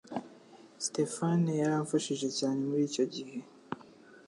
Stéphane yaramfashije cyane muricyo gihe